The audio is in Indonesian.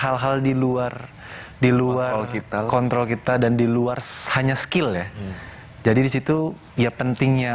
hal hal di luar di luar kita kontrol kita dan di luar hanya skill ya jadi disitu ya pentingnya